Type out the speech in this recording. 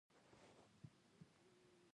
اقتصادي کمزورتیا د پیرود کچه راټیټوي.